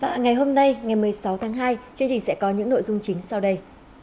và ngày hôm nay ngày một mươi sáu tháng hai chương trình sẽ có những nội dung chính sau đây